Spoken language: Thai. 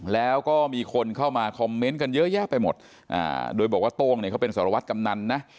แล้วก็มีคนเข้ามาคอมเมนต์กันเยอะแยะไปหมดโดยบอกว่าโต้งเนี่ยเขาเป็นสารวัตรกำนันนะ